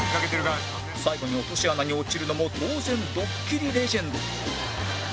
最後に落とし穴に落ちるのも当然ドッキリレジェンド